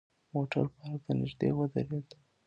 موټر پارک ته نژدې ودرید.